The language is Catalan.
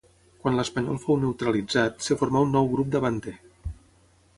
Quan l'espanyol fou neutralitzat, es formà un nou grup davanter.